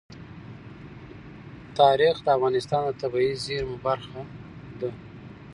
تاریخ د افغانستان د طبیعي زیرمو برخه ده.